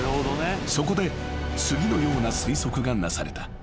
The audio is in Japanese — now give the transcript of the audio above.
［そこで次のような推測がなされた］